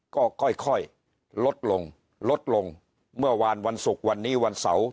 ก็ค่อยลดลงลดลงเมื่อวานวันศุกร์วันนี้วันเสาร์